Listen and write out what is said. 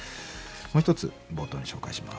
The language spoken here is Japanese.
もう一つ冒頭に紹介します。